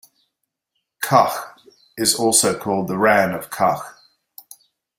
Kachh is also called Rann of Kachh.